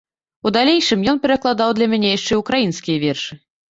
У далейшым ён перакладаў для мяне яшчэ і ўкраінскія вершы.